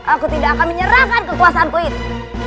aku tidak akan menyerahkan kekuasaanku itu